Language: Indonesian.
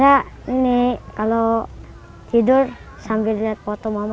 ya ini kalau tidur sambil lihat foto mama